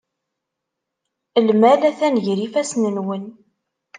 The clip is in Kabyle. Imal atan gar yifassen-nwen.